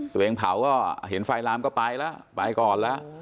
ตัวเองเผาก็เห็นไฟลามก็ไปละไปก่อนละ